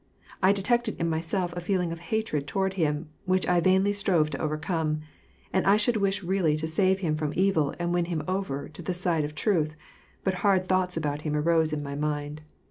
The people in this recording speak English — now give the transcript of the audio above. I detected in myvlf a feeling of hatred toward him, which I vainly strove to overoome. And I should wish really to save him from evil and win him over to the side of truth, but hard thoughts about him arose in my mind.